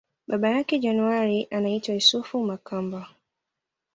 Baba yake January anaitwa Yusufu Makamba